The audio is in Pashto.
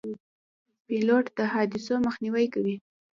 پیلوټ د حادثو مخنیوی کوي.